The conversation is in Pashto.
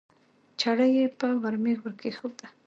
چړه یې په ورمېږ ورکېښوده